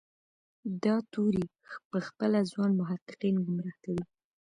دا توری پخپله ځوان محققین ګمراه کوي.